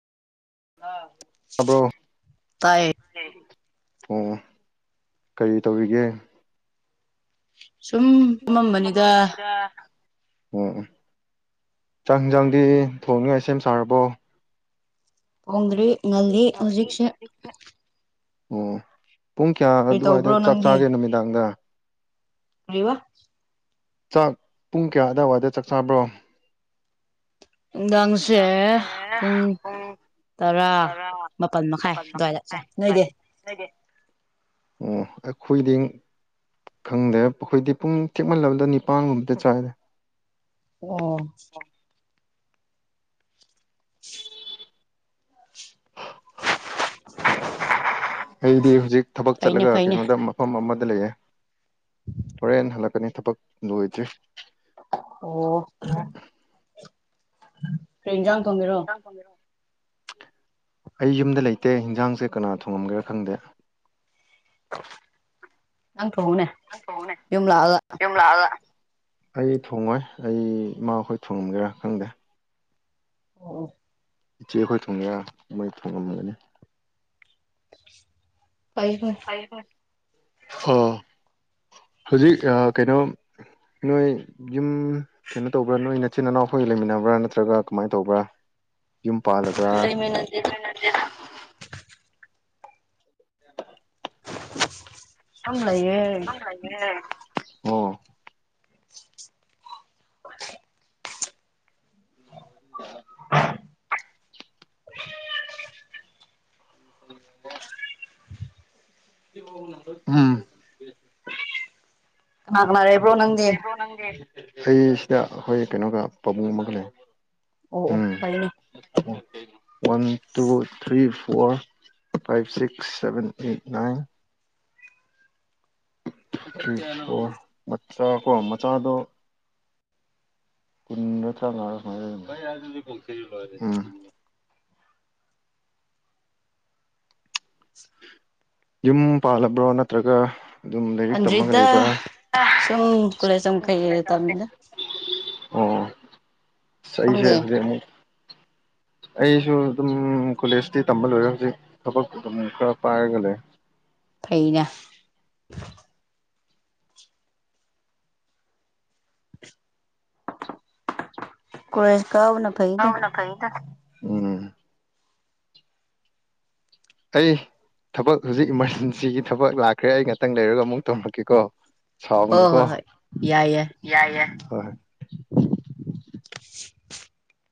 ꯇꯥꯕ꯭ꯔꯣ ꯇꯥꯏ ꯑꯣ ꯀꯔꯤ ꯇꯧꯔꯤꯒꯦ ꯁꯨꯝ ꯐꯝꯃꯝꯕꯅꯤꯗ ꯎꯝ ꯎꯝ ꯆꯥꯛ ꯍꯤꯟꯖꯥꯡꯗꯤ ꯊꯣꯡꯅꯤꯉꯥꯏ ꯁꯦꯝ ꯁꯥꯔꯕꯣ ꯊꯣꯡꯗ꯭ꯔꯤ ꯉꯜꯂꯤ ꯍꯧꯖꯤꯛꯁꯦ ꯑꯣ ꯄꯨꯡ ꯀ꯭ꯌꯥ ꯀꯔꯤ ꯑꯗꯨꯋꯥꯏꯗ ꯇꯧꯕ꯭ꯔꯣ ꯆꯥꯛ ꯅꯪꯗꯤ ꯆꯥꯒꯦ ꯅꯨꯃꯤꯗꯥꯡꯗ ꯀꯔꯤꯕ ꯆꯥꯛ ꯄꯨꯡ ꯀ꯭ꯌꯥ ꯑꯗꯥꯏꯋꯥꯏꯗ ꯆꯥꯛ ꯆꯥꯕ꯭ꯔꯣ ꯅꯨꯡꯗꯥꯡꯁꯦ ꯄꯨꯡ ꯇꯔꯥ ꯃꯥꯄꯜ ꯃꯈꯥꯏ ꯑꯗ꯭ꯋꯥꯏꯗ ꯆꯥꯏ ꯅꯣꯏꯗꯤ ꯅꯣꯏꯗꯤ ꯎꯝ ꯑꯩꯈꯣꯏꯗꯤꯡ ꯈꯪꯗꯦ ꯄꯨ ꯑꯈꯣꯏꯗꯤ ꯄꯨꯡ ꯊꯦꯛꯃꯜꯂꯕꯗ ꯅꯤꯄꯥꯟꯒꯨꯝꯕꯗ ꯆꯥꯏꯗ ꯑꯣ ꯑꯩꯗꯤ ꯍꯨꯖꯤꯛ ꯊꯕꯛ ꯐꯩꯅꯦ ꯆꯠꯂꯒ ꯐꯩꯅꯦ ꯀꯩꯅꯣꯗꯃ ꯃꯐꯝ ꯑꯃꯗ ꯂꯩꯌꯦ ꯍꯣꯔꯦꯟ ꯍꯜꯂꯛꯀꯅꯤ ꯊꯕꯛ ꯂꯣꯏꯗ꯭ꯔꯤ ꯑꯣ ꯀꯔꯤ ꯏꯟꯖꯥꯡ ꯊꯣꯡꯒꯦꯔꯣ ꯏꯟꯖꯥꯡ ꯊꯣꯡꯒꯦꯔꯣ ꯑꯩ ꯌꯨꯝꯗ ꯂꯩꯇꯦ ꯍꯤꯟꯖꯥꯡꯁꯦ ꯀꯅꯥ ꯊꯣꯡꯉꯝꯒꯦꯔꯥ ꯈꯪꯗꯦ ꯅꯪ ꯊꯣꯡꯉꯨꯅꯦ ꯅꯪ ꯊꯣꯡꯎꯅꯦ ꯌꯨꯝ ꯂꯥꯛꯑꯒ ꯌꯨꯝ ꯂꯥꯛꯑꯒ ꯑꯩ ꯊꯣꯡꯉꯣꯏ ꯑꯩ ꯏꯃꯥꯈꯣꯏ ꯊꯣꯡꯉꯝꯒꯦꯔꯥ ꯈꯪꯗꯦ ꯑꯣ ꯑꯣ ꯏꯆꯦ ꯑꯩꯈꯣꯏ ꯊꯣꯡꯒꯦꯔꯥ ꯃꯣꯏ ꯊꯣꯡꯉꯝꯒꯅꯤ ꯐꯩ ꯐꯩ ꯐꯩ ꯐꯩ ꯑꯥ ꯍꯧꯖꯤꯛ ꯑ ꯀꯩꯅꯣ ꯅꯣꯏ ꯌꯨꯝ ꯀꯩꯅꯣ ꯇꯧꯕ꯭ꯔꯥ ꯅꯣꯏ ꯅꯆꯤꯟ ꯅꯅꯥꯎꯈꯣꯏꯒ ꯂꯩꯃꯤꯟꯅꯕ꯭ꯔꯥ ꯅꯠꯇ꯭ꯔꯒ ꯀꯃꯥꯏꯅ ꯇꯧꯕ꯭ꯔꯥ ꯌꯨꯝ ꯄꯥꯜꯂꯕ꯭ꯔꯥ ꯂꯩꯃꯤꯟꯅꯁꯦꯗ ꯍꯟꯖꯟ ꯍꯟꯖꯤꯟ [inaudible] [inaudible] ꯅꯪ ꯂꯩꯌꯦ꯫ [unintelligible] ꯑꯣ꯫ [inaudible] [inaudible] [inaudible] ꯎꯝ꯫ ꯀꯅꯥ ꯀꯅꯥ ꯂꯩꯕ꯭ꯔꯣ ꯅꯪꯗꯤ꯫ ꯐꯪꯒꯦ꯫ [unintelligible] ꯑꯩ ꯁꯤꯗ ꯑꯩꯈꯣꯏ ꯀꯩꯅꯣꯒ ꯄꯥꯕꯨꯡ ꯑꯃꯒ ꯂꯩ꯫ ꯑꯣ ꯑꯣ ꯎꯝ ꯐꯩꯌꯦꯅꯦ꯫ One two three four five six seven eight nine. Three four ꯃꯆꯥ ꯀꯣ ꯃꯆꯥꯗꯣ꯫ ꯀꯨꯟꯒ ꯇ꯭ꯔꯥꯉꯥ ꯁꯨꯃꯥꯏꯅ ꯂꯩꯔꯝꯅꯤ ꯎꯝ꯫ ꯌꯨꯝ ꯄꯥꯜꯂꯕ꯭ꯔꯣ ꯅꯠꯇ꯭ꯔꯒ꯫ ꯑꯗꯨꯝ ꯂꯥꯏꯔꯤꯛ ꯇꯝꯃꯒ ꯑꯟꯗ꯭ꯔꯤꯗ ꯂꯩꯕ꯭ꯔꯥ꯫ ꯁꯨꯝ ꯀꯣꯂꯦꯖ ꯑꯃ ꯀꯩ ꯇꯝꯃꯤꯗ ꯑꯣ ꯑꯩꯁꯦ ꯁꯣꯝꯗꯤ ꯍꯧꯖꯤꯛ ꯑꯃꯨꯛ꯫ ꯑꯩꯁꯨ ꯑꯗꯨꯝ ꯀꯣꯂꯦꯖꯇꯤ ꯇꯝꯕ ꯂꯣꯏꯔꯦ ꯍꯧꯖꯤꯛ ꯊꯕꯛ ꯑꯗꯨꯝ ꯈꯔ ꯄꯥꯏꯔꯒ ꯂꯩ꯫ ꯐꯩꯅꯦ ꯀꯣꯂꯦꯖ ꯀꯥꯕꯅ꯫ ꯐꯩꯗ ꯀꯕꯅ ꯐꯩꯗ ꯑꯝ ꯑꯩ ꯊꯕꯛ ꯍꯧꯖꯤꯛ ꯏꯃꯥꯔꯖꯦꯟꯁꯤꯒꯤ ꯊꯕꯛ ꯂꯥꯛꯈ꯭ꯔꯦ ꯑꯩ ꯉꯥꯛꯇꯪ ꯂꯩꯔꯒ ꯑꯃꯨꯛ ꯇꯧꯔꯛꯀꯦꯀꯣ꯫ ꯍꯣꯏ ꯁꯥꯎꯒꯅꯨꯀꯣ ꯍꯣꯏ ꯍꯣꯏ ꯌꯥꯏ ꯌꯥꯏ ꯌꯥꯢ ꯌꯥꯢ ꯍꯣꯏ꯫